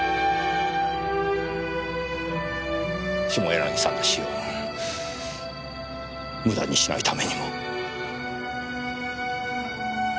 下柳さんの死を無駄にしないためにも。